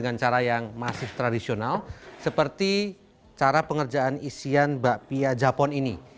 dengan cara yang masih tradisional seperti cara pengerjaan isian bakpia japon ini